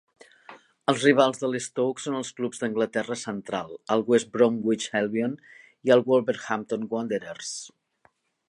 Els rivals de l'Stoke són els clubs d'Anglaterra central; el West Bromwich Albion i el Wolverhampton Wanderers.